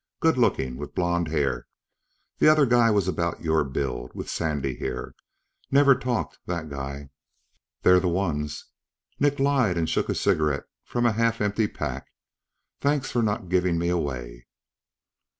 Goodlookin', with blond hair. The other guy was about your build, with sandy hair. Never talked, that guy." "They're the ones," Nick lied and shook a cigarette from a half empty pack. "Thanks for not giving me away."